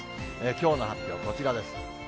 きょうの発表はこちらです。